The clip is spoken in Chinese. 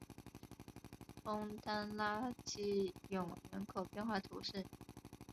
枫丹拉基永人口变化图示